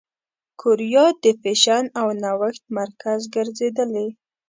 کوریا د فېشن او نوښت مرکز ګرځېدلې.